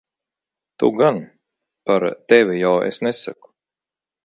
Tu gan. Par tevi jau es nesaku.